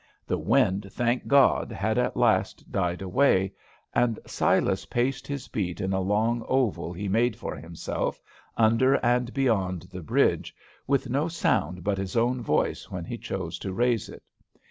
The wind, thank God, had at last died away; and Silas paced his beat in a long oval he made for himself, under and beyond the bridge, with no sound but his own voice when he chose to raise it.